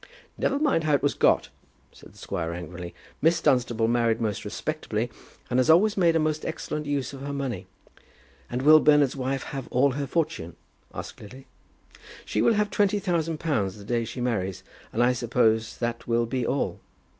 "Never mind how it was got," said the squire, angrily. "Miss Dunstable married most respectably, and has always made a most excellent use of her money." "And will Bernard's wife have all her fortune?" asked Lily. "She will have twenty thousand pounds the day she marries, and I suppose that will be all."